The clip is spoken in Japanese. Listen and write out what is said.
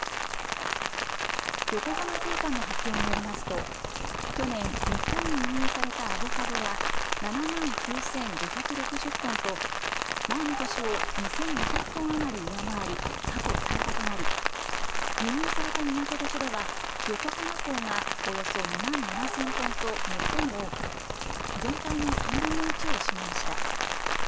横浜税関の発表によりますと去年日本に輸入されたアボカドは７万９５６０トンと前の年を２２００トン余り上回り過去最多となり輸入された港別では横浜港がおよそ２万７０００トンと最も多く全体の３分の１を占めました。